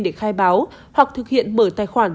để khai báo hoặc thực hiện mở tài khoản